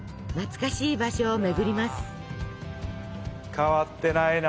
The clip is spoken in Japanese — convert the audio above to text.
変わってないな。